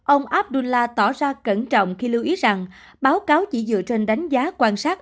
ông abdullah tỏ ra cẩn trọng khi lưu ý rằng báo cáo chỉ dựa trên đánh giá quan sát